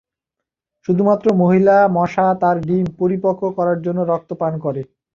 শুধুমাত্র মহিলা মশা তার ডিম পরিপক্ব করার জন্য রক্ত পান করে।